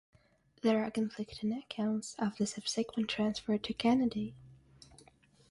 There are conflicting accounts of the subsequent transfer to Kennedy.